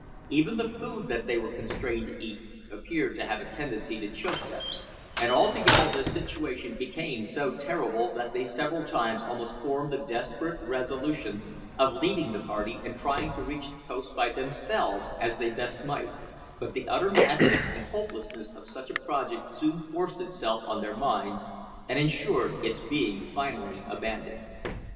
Even the food that they were constrained to eat appeared to have a tendency to choke them, and altogether their situation became so terrible that they several times almost formed the desperate resolution of leaving the party and trying to reach the coast by themselves as they best might, but the utter madness and hopelessness of such a project soon forced itself on their minds, and insured its being finally abandoned.